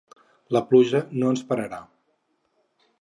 La pluja no ens pararà.